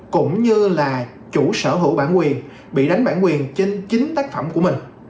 cũng như là chủ sở hữu bản quyền bị đánh bản quyền trên chính tác phẩm của mình